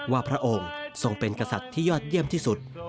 พระองค์ทรงเป็นกษัตริย์ที่ยอดเยี่ยมที่สุด